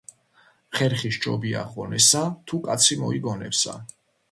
ხერხი სჯობია ღონესა თუ კაცი მოიგონებსა